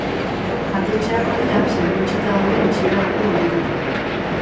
Jatetxeak, ordea, salbuetsita daude itxiera ordu horretatik.